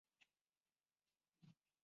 Baadaye, walihamia katika mji wa Manchester.